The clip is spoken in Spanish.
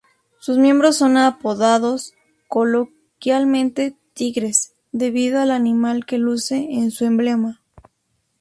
Sus miembros son apodados coloquialmente "tigres" debido al animal que luce en su emblema.